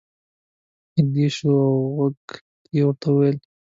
نږدې شو او غوږ کې یې ورته وویل.